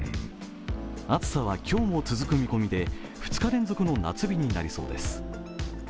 暑さは今日も続く見込みで２日連続の夏日になりそうです。